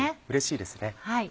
うれしいですね。